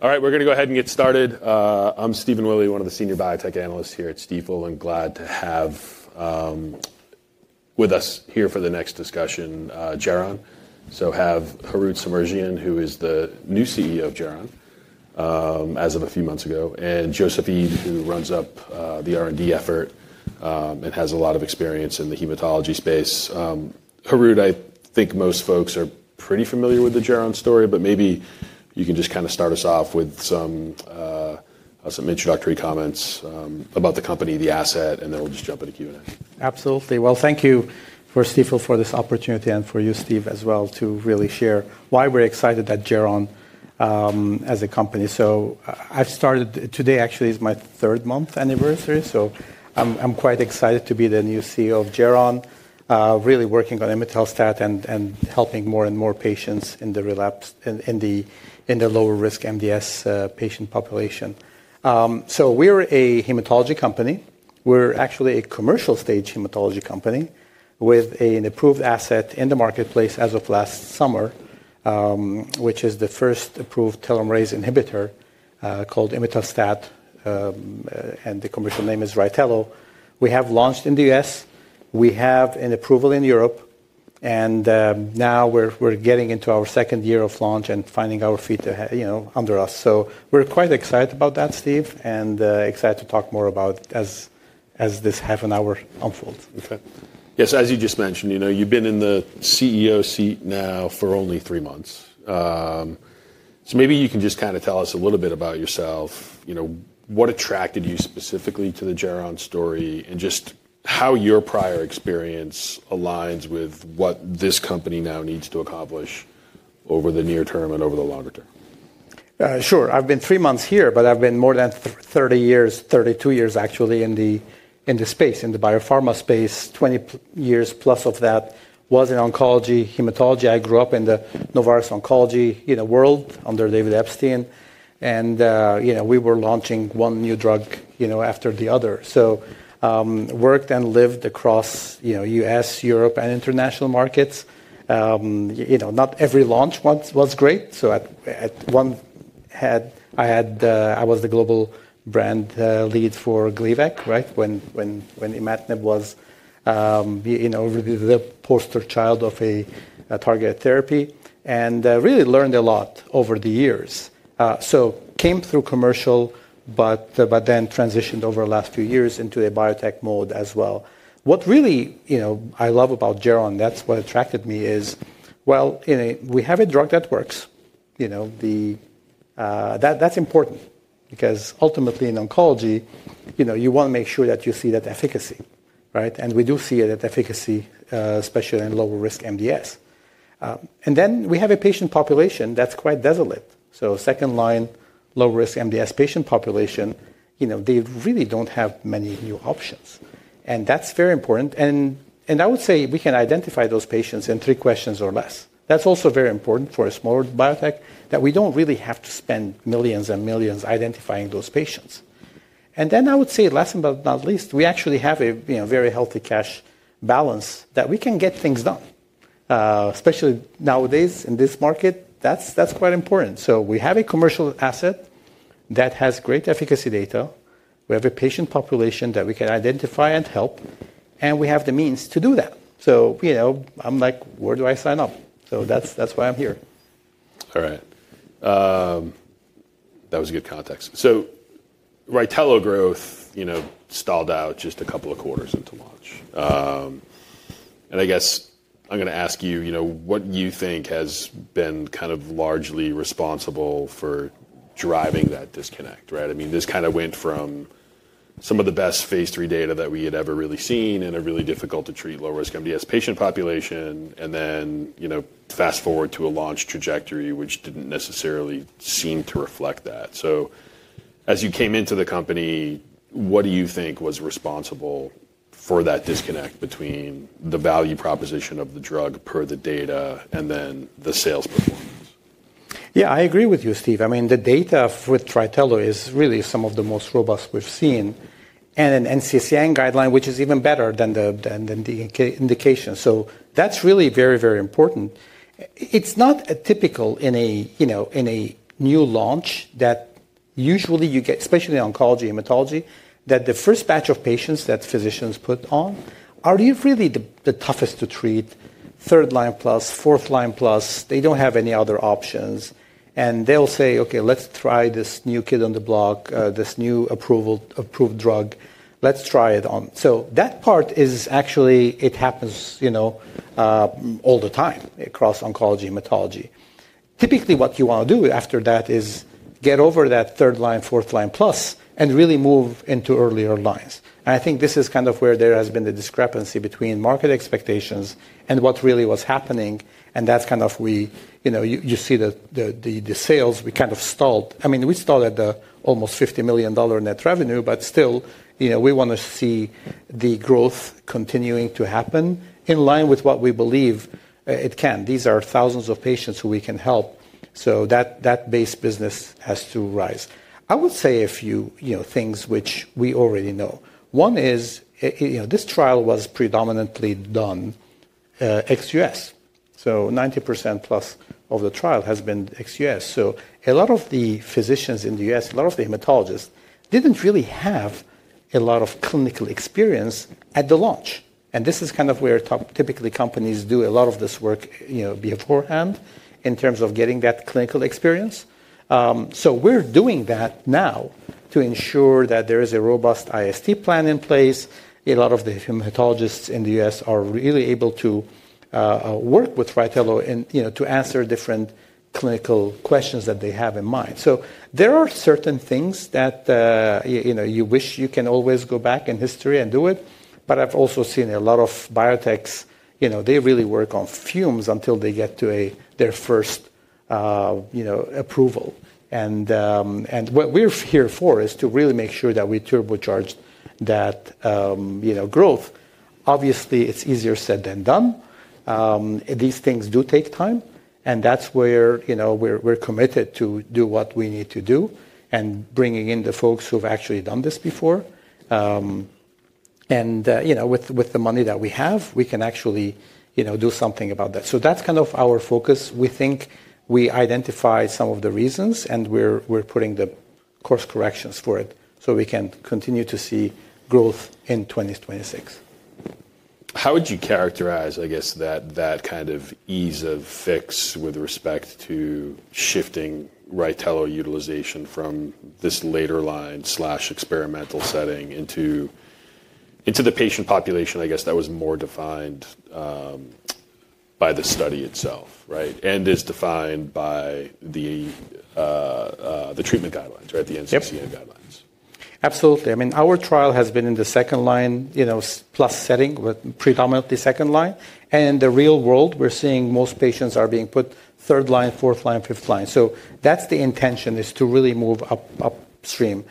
All right, we're going to go ahead and get started. I'm Stephen Willey, one of the Senior Biotech Analyst here at Stifel. I'm glad to have with us here for the next discussion Geron. I have Harout Semerjian, who is the new CEO of Geron as of a few months ago, and Joseph Eid, who runs up the R&D effort and has a lot of experience in the hematology space. Harout, I think most folks are pretty familiar with the Geron story, but maybe you can just kind of start us off with some introductory comments about the company, the asset, and then we'll just jump into Q&A. Absolutely. Thank you to Stifel for this opportunity and for you, Steve, as well to really share why we're excited at Geron as a company. I started today, actually, is my third month anniversary. I'm quite excited to be the new CEO of Geron, really working on imetelstat and helping more and more patients in the relapse, in the lower-risk MDS patient population. We're a hematology company. We're actually a commercial-stage hematology company with an approved asset in the marketplace as of last summer, which is the first approved telomerase inhibitor called imetelstat, and the commercial name is RYTELO. We have launched in the U.S. We have an approval in Europe. Now we're getting into our second year of launch and finding our feet under us. We're quite excited about that, Steve, and excited to talk more about as this half an hour unfolds. Yes, as you just mentioned, you've been in the CEO seat now for only three months. Maybe you can just kind of tell us a little bit about yourself. What attracted you specifically to the Geron story and just how your prior experience aligns with what this company now needs to accomplish over the near term and over the longer term? Sure. I've been three months here, but I've been more than 30 years, 32 years actually in the space, in the biopharma space, 20 years plus of that was in oncology, hematology. I grew up in the Novartis oncology world under David Epstein. We were launching one new drug after the other. I worked and lived across the U.S., Europe, and international markets. Not every launch was great. At one head, I was the global brand lead for Gleevec when imatinib was the poster child of a targeted therapy and really learned a lot over the years. I came through commercial, but then transitioned over the last few years into a biotech mode as well. What really I love about Geron, that's what attracted me, is, well, we have a drug that works. That's important because ultimately in oncology, you want to make sure that you see that efficacy. We do see that efficacy, especially in lower-risk MDS. We have a patient population that is quite desolate. Second-line, lower-risk MDS patient population, they really do not have many new options. That is very important. I would say we can identify those patients in three questions or less. That is also very important for a smaller biotech, that we do not really have to spend millions and millions identifying those patients. Last but not least, we actually have a very healthy cash balance that we can get things done, especially nowadays in this market. That is quite important. We have a commercial asset that has great efficacy data. We have a patient population that we can identify and help. We have the means to do that. I am like, where do I sign up? That is why I am here. All right. That was good context. RYTELO growth stalled out just a couple of quarters into launch. I guess I'm going to ask you what you think has been kind of largely responsible for driving that disconnect. I mean, this kind of went from some of the best phase III data that we had ever really seen and a really difficult to treat lower-risk MDS patient population, and then fast forward to a launch trajectory which didn't necessarily seem to reflect that. As you came into the company, what do you think was responsible for that disconnect between the value proposition of the drug per the data and then the sales performance? Yeah, I agree with you, Steve. I mean, the data with RYTELO is really some of the most robust we've seen and an NCCN guideline, which is even better than the indication. That is really very, very important. It's not typical in a new launch that usually you get, especially in oncology, hematology, that the first batch of patients that physicians put on are really the toughest to treat, third line plus, fourth line plus. They don't have any other options. They'll say, OK, let's try this new kid on the block, this new approved drug. Let's try it on. That part actually happens all the time across oncology, hematology. Typically, what you want to do after that is get over that third line, fourth line plus and really move into earlier lines. I think this is kind of where there has been the discrepancy between market expectations and what really was happening. That is kind of where you see the sales. We kind of stalled. I mean, we stalled at the almost $50 million net revenue, but still we want to see the growth continuing to happen in line with what we believe it can. These are thousands of patients who we can help. That base business has to rise. I would say a few things which we already know. One is this trial was predominantly done ex U.S. So 90%+ of the trial has been ex U.S. A lot of the physicians in the U.S., a lot of the hematologists, did not really have a lot of clinical experience at the launch. This is kind of where typically companies do a lot of this work beforehand in terms of getting that clinical experience. We are doing that now to ensure that there is a robust IST plan in place. A lot of the hematologists in the U.S. are really able to work with RYTELO to answer different clinical questions that they have in mind. There are certain things that you wish you can always go back in history and do. I have also seen a lot of biotechs, they really work on fumes until they get to their first approval. What we are here for is to really make sure that we turbocharge that growth. Obviously, it is easier said than done. These things do take time. That is where we are committed to do what we need to do and bringing in the folks who have actually done this before. With the money that we have, we can actually do something about that. That's kind of our focus. We think we identify some of the reasons, and we're putting the course corrections for it so we can continue to see growth in 2026. How would you characterize, I guess, that kind of ease of fix with respect to shifting RYTELO utilization from this later line/experimental setting into the patient population, I guess, that was more defined by the study itself and is defined by the treatment guidelines, the NCCN guidelines? Absolutely. I mean, our trial has been in the second line plus setting, predominantly second line. In the real world, we're seeing most patients are being put third line, fourth line, fifth line. That is the intention, to really move upstream.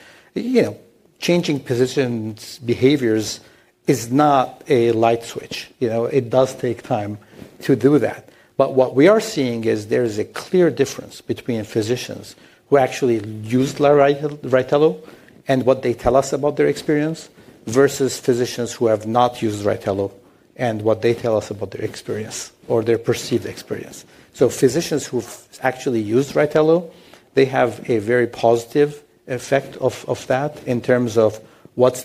Changing physicians' behaviors is not a light switch. It does take time to do that. What we are seeing is there is a clear difference between physicians who actually used RYTELO and what they tell us about their experience versus physicians who have not used RYTELO and what they tell us about their experience or their perceived experience. Physicians who've actually used RYTELO, they have a very positive effect of that in terms of what's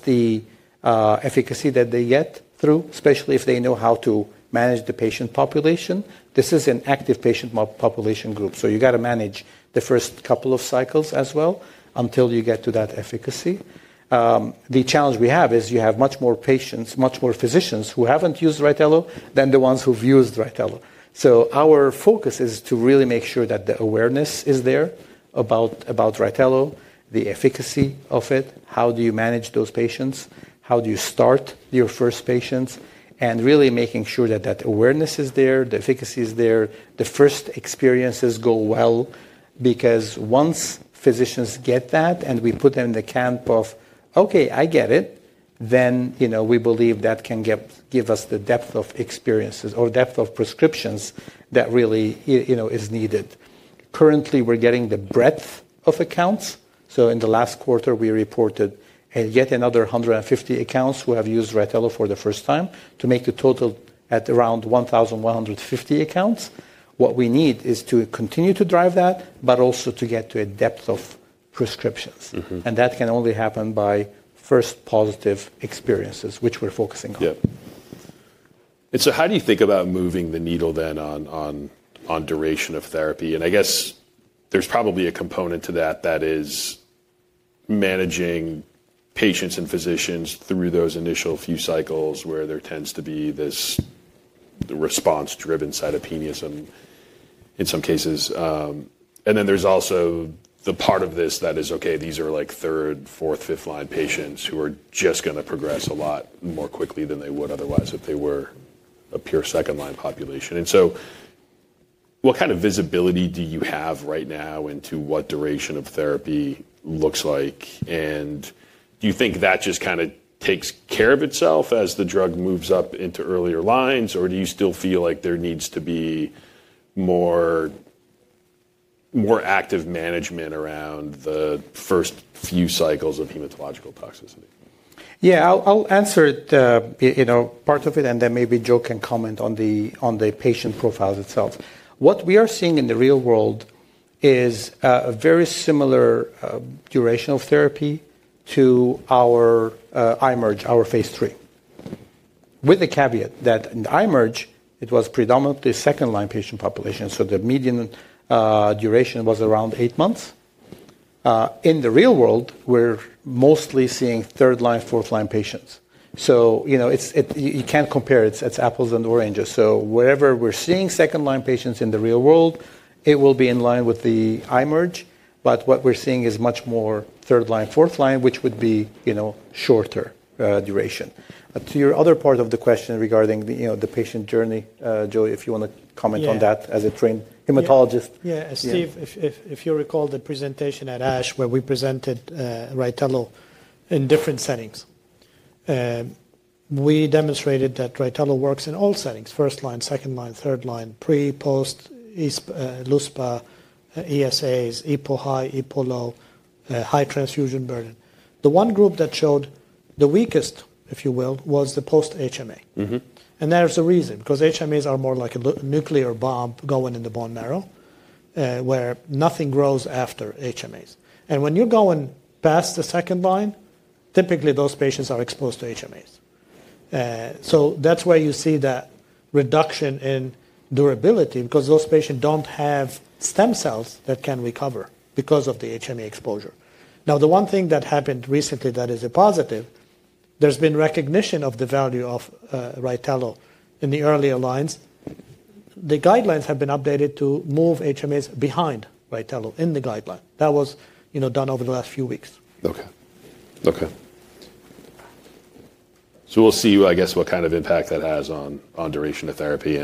the efficacy that they get through, especially if they know how to manage the patient population. This is an active patient population group. You have got to manage the first couple of cycles as well until you get to that efficacy. The challenge we have is you have much more patients, much more physicians who have not used RYTELO than the ones who have used RYTELO. Our focus is to really make sure that the awareness is there about RYTELO, the efficacy of it, how do you manage those patients, how do you start your first patients, and really making sure that that awareness is there, the efficacy is there, the first experiences go well. Because once physicians get that and we put them in the camp of, okay, I get it, then we believe that can give us the depth of experiences or depth of prescriptions that really is needed. Currently, we are getting the breadth of accounts. In the last quarter, we reported yet another 150 accounts who have used RYTELO for the first time to make the total at around 1,150 accounts. What we need is to continue to drive that, but also to get to a depth of prescriptions. That can only happen by first positive experiences, which we're focusing on. How do you think about moving the needle then on duration of therapy? I guess there is probably a component to that that is managing patients and physicians through those initial few cycles where there tends to be this response-driven cytopenia in some cases. There is also the part of this that is, okay, these are third, fourth, fifth line patients who are just going to progress a lot more quickly than they would otherwise if they were a pure second line population. What kind of visibility do you have right now into what duration of therapy looks like? Do you think that just kind of takes care of itself as the drug moves up into earlier lines, or do you still feel like there needs to be more active management around the first few cycles of hematological toxicity? Yeah, I'll answer part of it and then maybe Joe can comment on the patient profiles itself. What we are seeing in the real world is a very similar duration of therapy to our IMerge, our phase three, with the caveat that in IMerge, it was predominantly second line patient population. So the median duration was around eight months. In the real world, we're mostly seeing third line, fourth line patients. You can't compare. It's apples and oranges. Wherever we're seeing second line patients in the real world, it will be in line with the IMerge. What we're seeing is much more third line, fourth line, which would be shorter duration. To your other part of the question regarding the patient journey, Joe, if you want to comment on that as a trained hematologist. Yeah, Steve, if you recall the presentation at ASH where we presented RYTELO in different settings, we demonstrated that RYTELO works in all settings: first line, second line, third line, pre, post, ESAs, EPO high, EPO low, high transfusion burden. The one group that showed the weakest, if you will, was the post-HMA. There is a reason, because HMAs are more like a nuclear bomb going in the bone marrow where nothing grows after HMAs. When you are going past the second line, typically those patients are exposed to HMAs. That is where you see that reduction in durability because those patients do not have stem cells that can recover because of the HMA exposure. Now, the one thing that happened recently that is a positive, there has been recognition of the value of RYTELO in the earlier lines. The guidelines have been updated to move HMAs behind RYTELO in the guideline. That was done over the last few weeks. OK. We'll see, I guess, what kind of impact that has on duration of therapy.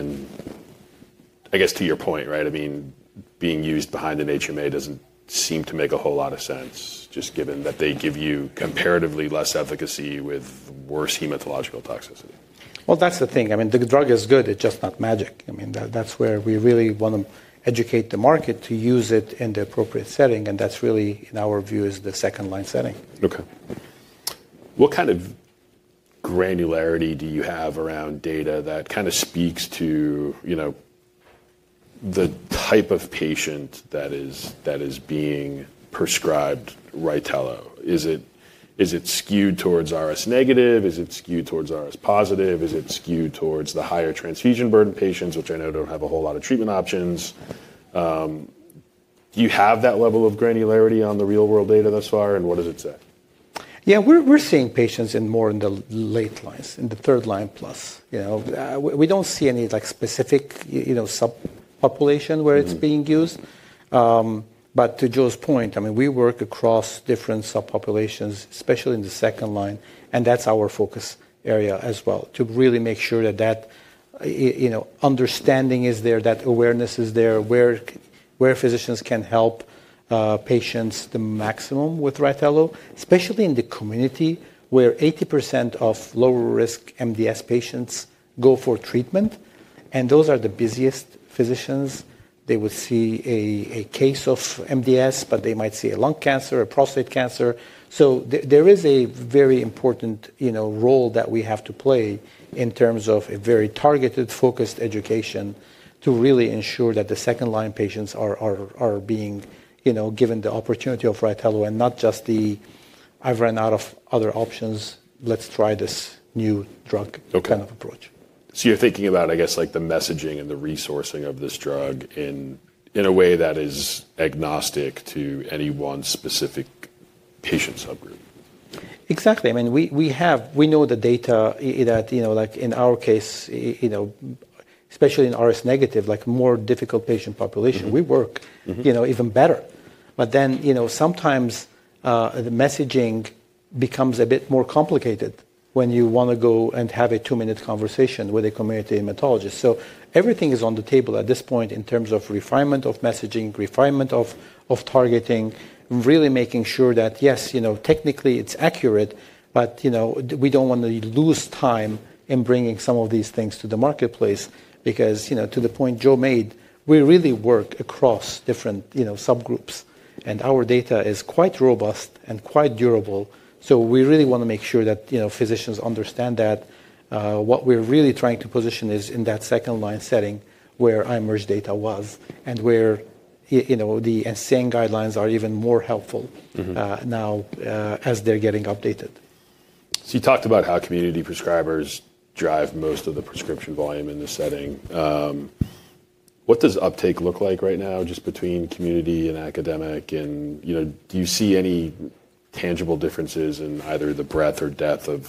I guess to your point, I mean, being used behind an HMA doesn't seem to make a whole lot of sense, just given that they give you comparatively less efficacy with worse hematological toxicity. That's the thing. I mean, the drug is good. It's just not magic. I mean, that's where we really want to educate the market to use it in the appropriate setting. And that's really, in our view, is the second line setting. OK. What kind of granularity do you have around data that kind of speaks to the type of patient that is being prescribed RYTELO? Is it skewed towards RS-? Is it skewed towards RS+? Is it skewed towards the higher transfusion burden patients, which I know do not have a whole lot of treatment options? Do you have that level of granularity on the real world data thus far? What does it say? Yeah, we're seeing patients more in the late lines, in the third line plus. We don't see any specific subpopulation where it's being used. To Joe's point, I mean, we work across different subpopulations, especially in the second line. That's our focus area as well, to really make sure that understanding is there, that awareness is there, where physicians can help patients the maximum with RYTELO, especially in the community where 80% of lower-risk MDS patients go for treatment. Those are the busiest physicians. They would see a case of MDS, but they might see a lung cancer, a prostate cancer. There is a very important role that we have to play in terms of a very targeted, focused education to really ensure that the second line patients are being given the opportunity of RYTELO and not just the, "I've run out of other options. Let's try this new drug" kind of approach. So you're thinking about, I guess, the messaging and the resourcing of this drug in a way that is agnostic to any one specific patient subgroup? Exactly. I mean, we know the data that in our case, especially in RS-, more difficult patient population, we work even better. Sometimes the messaging becomes a bit more complicated when you want to go and have a two-minute conversation with a community hematologist. Everything is on the table at this point in terms of refinement of messaging, refinement of targeting, really making sure that, yes, technically it's accurate, but we do not want to lose time in bringing some of these things to the marketplace. Because to the point Joe made, we really work across different subgroups. Our data is quite robust and quite durable. We really want to make sure that physicians understand that what we're really trying to position is in that second line setting where IMerge data was and where the NCCN guidelines are even more helpful now as they're getting updated. You talked about how community prescribers drive most of the prescription volume in this setting. What does uptake look like right now, just between community and academic? Do you see any tangible differences in either the breadth or depth of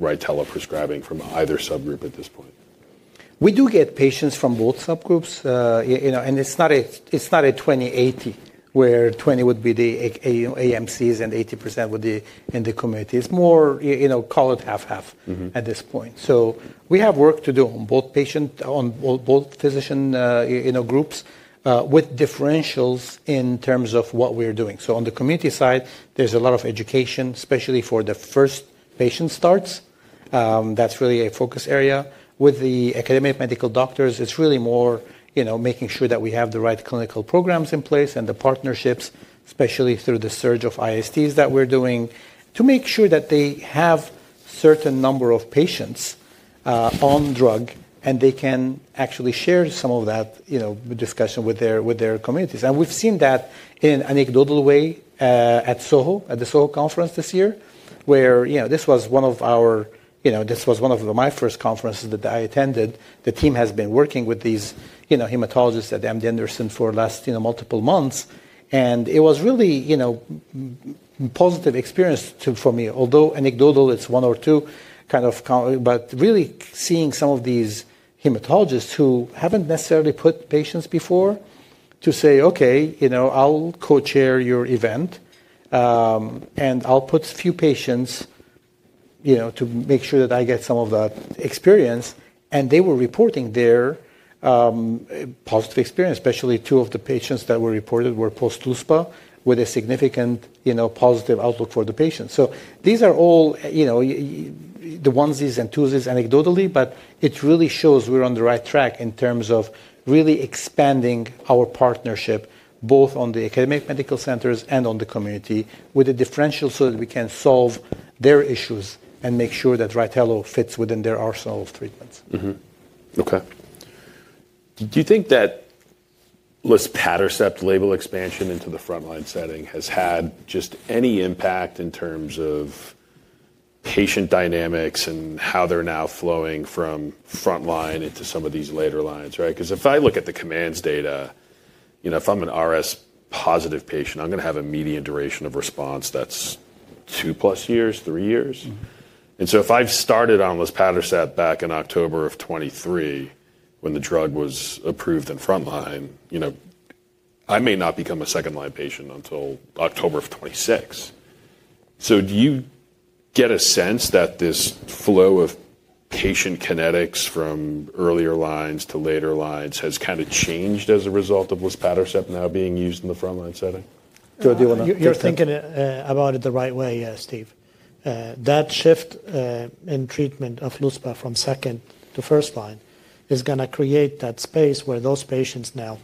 RYTELO prescribing from either subgroup at this point? We do get patients from both subgroups. It is not a 20/80, where 20 would be the AMCs and 80% would be in the community. It is more, call it half-half at this point. We have work to do on both physician groups with differentials in terms of what we are doing. On the community side, there is a lot of education, especially for the first patient starts. That is really a focus area. With the academic medical doctors, it is really more making sure that we have the right clinical programs in place and the partnerships, especially through the surge of ISDs that we are doing, to make sure that they have a certain number of patients on drug and they can actually share some of that discussion with their communities. We have seen that in an anecdotal way at the SOHO Conference this year, where this was one of my first conferences that I attended. The team has been working with these hematologists at MD Anderson for the last multiple months. It was really a positive experience for me, although anecdotal, it's one or two kind of. Really seeing some of these hematologists who haven't necessarily put patients before to say, "Okay, I'll co-chair your event. I'll put a few patients to make sure that I get some of that experience." They were reporting their positive experience, especially two of the patients that were reported were post-luspatercept with a significant positive outlook for the patients. These are all the onesies and twosies anecdotally, but it really shows we're on the right track in terms of really expanding our partnership, both on the academic medical centers and on the community, with a differential so that we can solve their issues and make sure that RYTELO fits within their arsenal of treatments. OK. Do you think that luspatercept label expansion into the front line setting has had just any impact in terms of patient dynamics and how they're now flowing from front line into some of these later lines? Because if I look at the COMMANDS data, if I'm an RS+ patient, I'm going to have a median duration of response that's two plus years, three years. And if I've started on luspatercept back in October of 2023, when the drug was approved in front line, I may not become a second line patient until October of 2026. Do you get a sense that this flow of patient kinetics from earlier lines to later lines has kind of changed as a result of luspatercept now being used in the front line setting? Joe, do you want to? You're thinking about it the right way, yes, Steve. That shift in treatment of luspatercept from second to first line is going to create that space where those patients now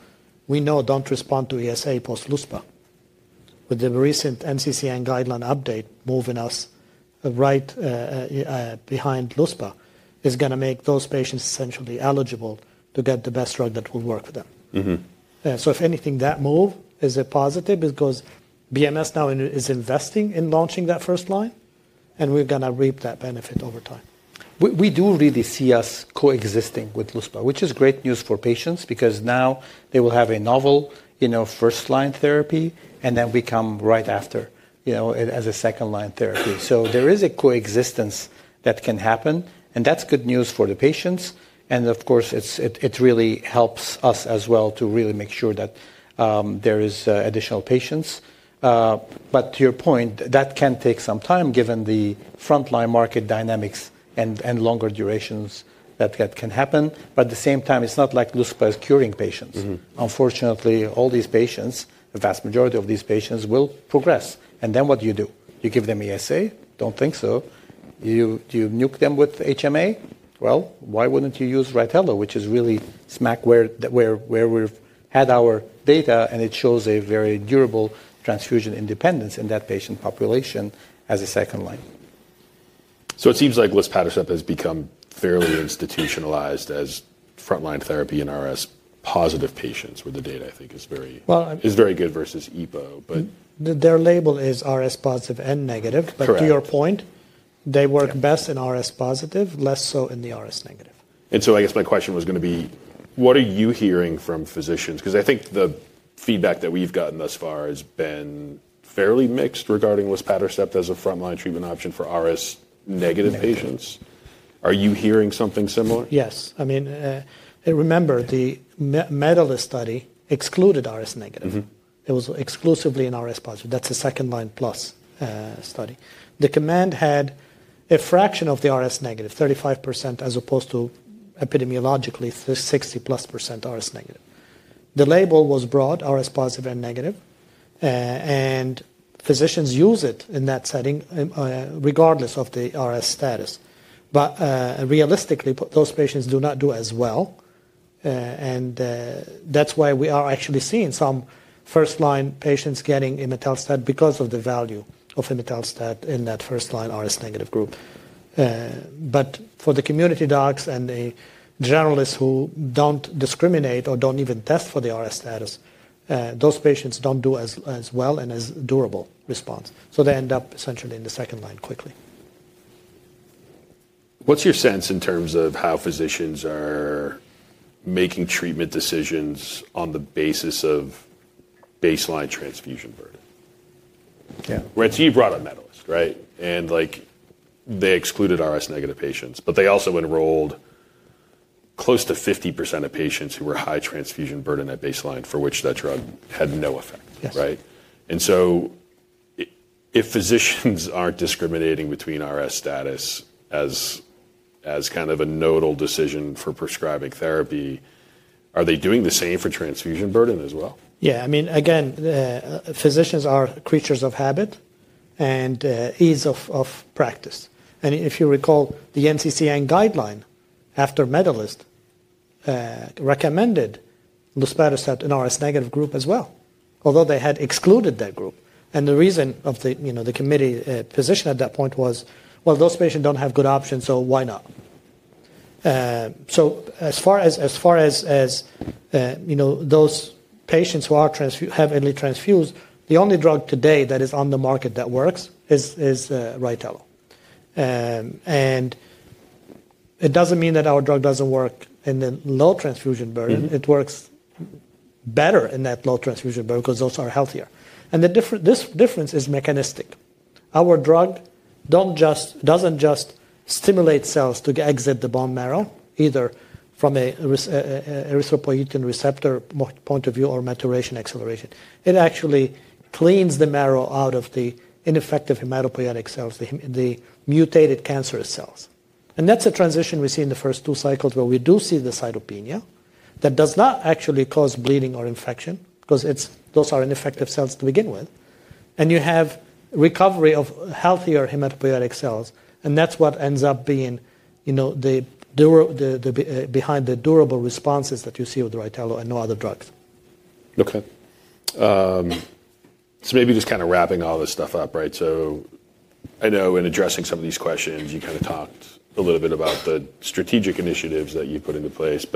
we know do not respond to ESA post-luspatercept. With the recent NCCN guideline update moving us right behind luspatercept, it is going to make those patients essentially eligible to get the best drug that will work for them. If anything, that move is a positive because BMS now is investing in launching that first line. We are going to reap that benefit over time. We do really see us coexisting with luspatercept, which is great news for patients because now they will have a novel first-line therapy, and then we come right after as a second-line therapy. There is a coexistence that can happen. That is good news for the patients. Of course, it really helps us as well to really make sure that there are additional patients. To your point, that can take some time given the front-line market dynamics and longer durations that can happen. At the same time, it is not like luspatercept is curing patients. Unfortunately, all these patients, the vast majority of these patients, will progress. What do you do? You give them ESA? Do not think so. You nuke them with HMA? Why wouldn't you use RYTELO, which is really smack where we've had our data, and it shows a very durable transfusion independence in that patient population as a second line. It seems like luspatercept has become fairly institutionalized as front line therapy in RS+ patients, where the data, I think, is very good versus EPO, but. Their label is RS+ and negative. To your point, they work best in RS+, less so in the RS-. And so I guess my question was going to be, what are you hearing from physicians? Because I think the feedback that we've gotten thus far has been fairly mixed regarding lispatercept as a front line treatment option for RS- patients. Are you hearing something similar? Yes. I mean, remember, the Medalist study excluded RS-. It was exclusively in RS+. That's a second line plus study. The command had a fraction of the RS-, 35%, as opposed to epidemiologically 60+% RS-. The label was broad, RS+ and negative. And physicians use it in that setting, regardless of the RS status. But realistically, those patients do not do as well. And that's why we are actually seeing some first line patients getting Imitelset because of the value of Imitelset in that first line RS- group. But for the community docs and the generalists who don't discriminate or don't even test for the RS status, those patients don't do as well and as durable response. So they end up essentially in the second line quickly. What's your sense in terms of how physicians are making treatment decisions on the basis of baseline transfusion burden? Yeah. Right. You brought up Medalist, right? They excluded RS- patients. They also enrolled close to 50% of patients who were high transfusion burden at baseline, for which that drug had no effect. If physicians are not discriminating between RS status as kind of a nodal decision for prescribing therapy, are they doing the same for transfusion burden as well? Yeah. I mean, again, physicians are creatures of habit and ease of practice. And if you recall, the NCCN guideline after Medalist recommended Lispatercept in RS- group as well, although they had excluded that group. And the reason of the committee position at that point was, well, those patients don't have good options, so why not? So as far as those patients who are heavily transfused, the only drug today that is on the market that works is RYTELO. And it doesn't mean that our drug doesn't work in the low transfusion burden. It works better in that low transfusion burden because those are healthier. And the difference is mechanistic. Our drug doesn't just stimulate cells to exit the bone marrow, either from an erythropoietin receptor point of view or maturation acceleration. It actually cleans the marrow out of the ineffective hematopoietic cells, the mutated cancerous cells. And that's a transition we see in the first two cycles, where we do see the cytopenia that does not actually cause bleeding or infection because those are ineffective cells to begin with. And you have recovery of healthier hematopoietic cells. And that's what ends up being behind the durable responses that you see with RYTELO and no other drugs. OK. So maybe just kind of wrapping all this stuff up, right? So I know in addressing some of these questions, you kind of talked a little bit about the strategic initiatives that you put into place.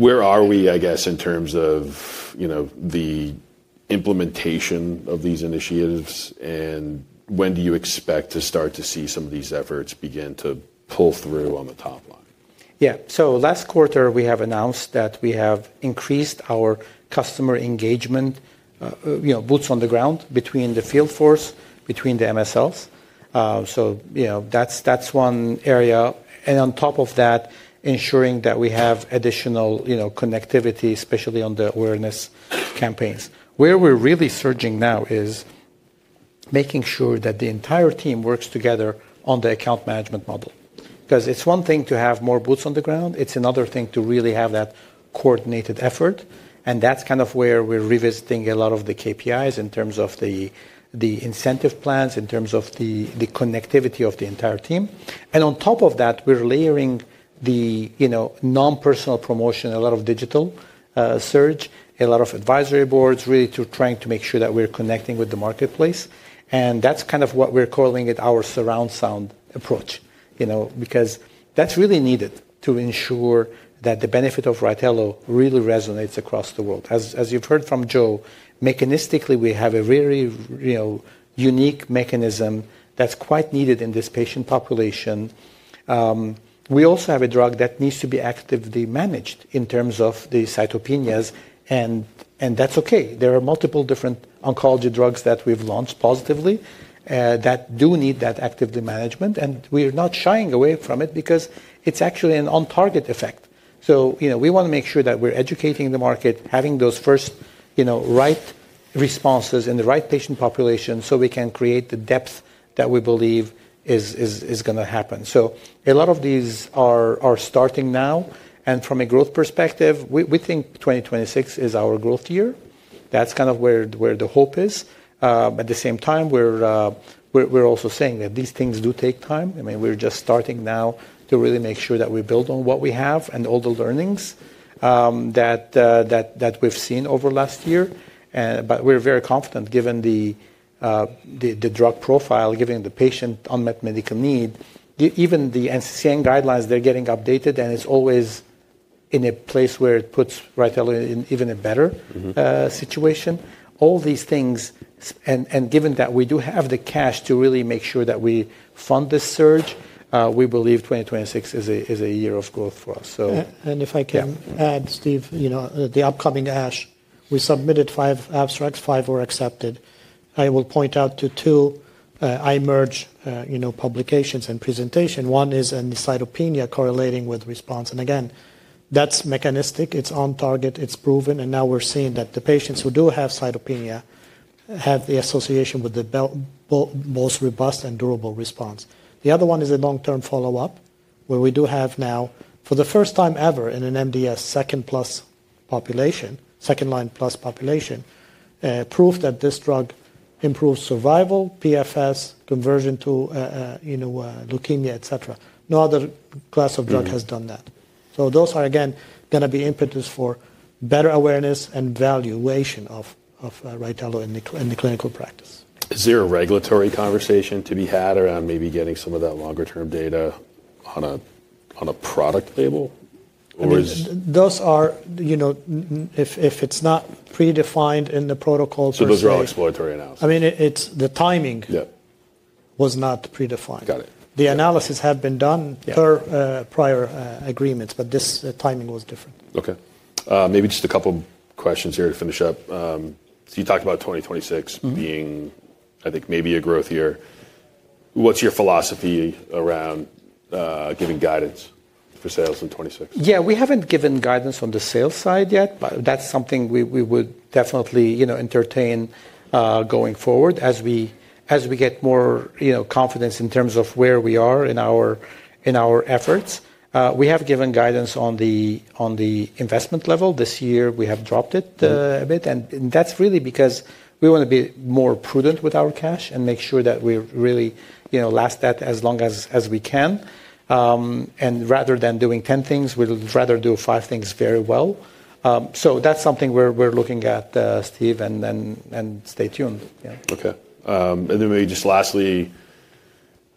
But where are we, I guess, in terms of the implementation of these initiatives? And when do you expect to start to see some of these efforts begin to pull through on the top line? Yeah. So last quarter, we have announced that we have increased our customer engagement boots on the ground between the field force, between the MSLs. So that's one area. And on top of that, ensuring that we have additional connectivity, especially on the awareness campaigns. Where we're really surging now is making sure that the entire team works together on the account management model. Because it's one thing to have more boots on the ground. It's another thing to really have that coordinated effort. And that's kind of where we're revisiting a lot of the KPIs in terms of the incentive plans, in terms of the connectivity of the entire team. And on top of that, we're layering the non-personal promotion, a lot of digital surge, a lot of advisory boards, really trying to make sure that we're connecting with the marketplace. That is kind of what we're calling it, our surround sound approach. That is really needed to ensure that the benefit of RYTELO really resonates across the world. As you've heard from Joe, mechanistically, we have a very unique mechanism that is quite needed in this patient population. We also have a drug that needs to be actively managed in terms of the cytopenias. That is OK. There are multiple different oncology drugs that we've launched positively that do need that active management. We are not shying away from it because it is actually an on-target effect. We want to make sure that we're educating the market, having those first right responses in the right patient population so we can create the depth that we believe is going to happen. A lot of these are starting now. From a growth perspective, we think 2026 is our growth year. That's kind of where the hope is. At the same time, we're also saying that these things do take time. I mean, we're just starting now to really make sure that we build on what we have and all the learnings that we've seen over last year. But we're very confident, given the drug profile, given the patient unmet medical need. Even the NCCN guidelines, they're getting updated. And it's always in a place where it puts RYTELO in even a better situation. All these things. And given that we do have the cash to really make sure that we fund this surge, we believe 2026 is a year of growth for us. So. And if I can add, Steve, the upcoming ASH, we submitted five abstracts. Five were accepted. I will point out to two IMerge publications and presentation. One is on the cytopenia correlating with response. And again, that's mechanistic. It's on target. It's proven. And now we're seeing that the patients who do have cytopenia have the association with the most robust and durable response. The other one is a long-term follow-up, where we do have now, for the first time ever in an MDS second plus population, second line plus population, proof that this drug improves survival, PFS, conversion to leukemia, et cetera. No other class of drug has done that. So those are, again, going to be impetus for better awareness and valuation of RYTELO in the clinical practice. Is there a regulatory conversation to be had around maybe getting some of that longer-term data on a product label? Those are, if it's not predefined in the protocols. Those are all exploratory analyses. I mean, the timing was not predefined. Got it. The analysis had been done per prior agreements. But this timing was different. OK. Maybe just a couple of questions here to finish up. So you talked about 2026 being, I think, maybe a growth year. What's your philosophy around giving guidance for sales in 2026? Yeah. We haven't given guidance on the sales side yet. But that's something we would definitely entertain going forward as we get more confidence in terms of where we are in our efforts. We have given guidance on the investment level. This year, we have dropped it a bit. And that's really because we want to be more prudent with our cash and make sure that we really last that as long as we can. And rather than doing 10 things, we'd rather do five things very well. So that's something we're looking at, Steve. And stay tuned. OK. And then maybe just lastly,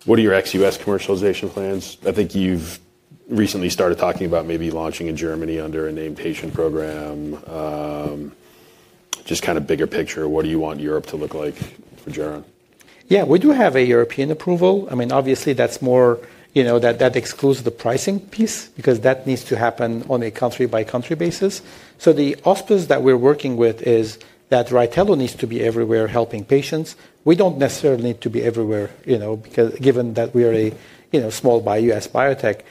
what are your ex-U.S. commercialization plans? I think you've recently started talking about maybe launching in Germany under a named patient program. Just kind of bigger picture, what do you want Europe to look like for Geron? Yeah. We do have a European approval. I mean, obviously, that's more that excludes the pricing piece because that needs to happen on a country-by-country basis. So the auspice that we're working with is that RYTELO needs to be everywhere helping patients. We don't necessarily need to be everywhere given that we are a small U.S. biotech.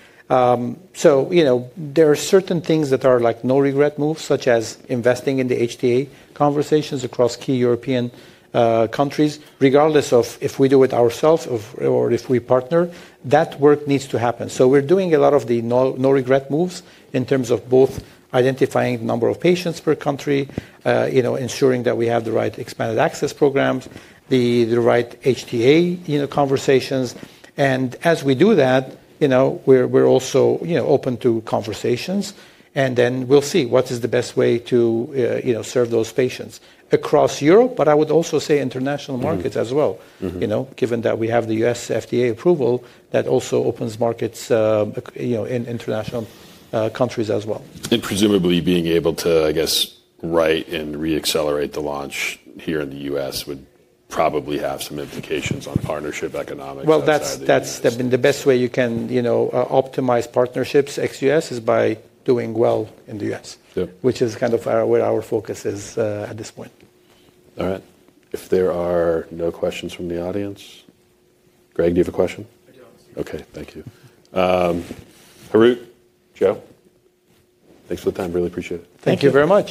So there are certain things that are like no regret moves, such as investing in the HTA conversations across key European countries, regardless of if we do it ourselves or if we partner. That work needs to happen. So we're doing a lot of the no regret moves in terms of both identifying the number of patients per country, ensuring that we have the right expanded access programs, the right HTA conversations. And as we do that, we're also open to conversations. We will see what is the best way to serve those patients across Europe. I would also say international markets as well, given that we have the U.S. FDA approval that also opens markets in international countries as well. And presumably being able to, I guess, write and re-accelerate the launch here in the US would probably have some implications on partnership economics. Well, that's the best way you can optimize partnerships ex U.S. is by doing well in the U.S., which is kind of where our focus is at this point. All right. If there are no questions from the audience, Greg, do you have a question? OK. Thank you. Harout, Joe, thanks for the time. Really appreciate it. Thank you very much.